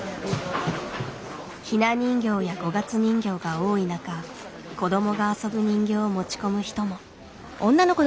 ひな人形や五月人形が多い中子どもが遊ぶ人形を持ち込む人も。